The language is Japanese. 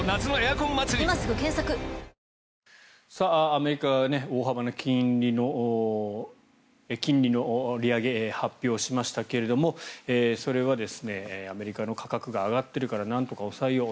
アメリカは大幅な金利の利上げ発表しましたけれどもそれはアメリカの価格が上がっているからなんとか抑えよう